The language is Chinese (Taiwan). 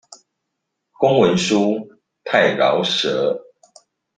公文書太饒舌